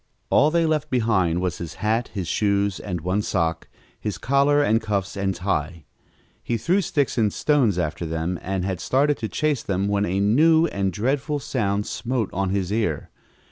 All they left behind was his hat, his shoes and one sock, his collar and cuffs and tie. He threw sticks and stones after them and had started to chase them when a new and dreadful sound smote on his ear.